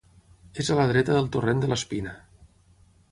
És a la dreta del torrent de l'Espina.